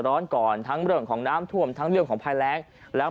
ร้อนก่อนทั้งเรื่องของน้ำท่วมทั้งเรื่องของภัยแรงแล้ว